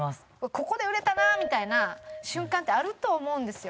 ここで売れたなみたいな瞬間ってあると思うんですよ。